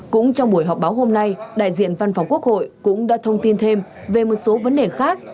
cũng trong buổi họp báo hôm nay đại diện văn phòng quốc hội cũng đã thông tin thêm về một số vấn đề khác